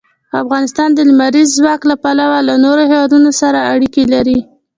افغانستان د لمریز ځواک له پلوه له نورو هېوادونو سره اړیکې لري.